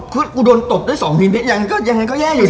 กูโดนตบได้สองนิงแลสยังไงก็แย่อยู่ดิ